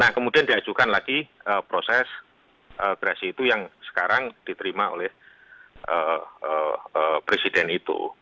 nah kemudian diajukan lagi proses gerasi itu yang sekarang diterima oleh presiden itu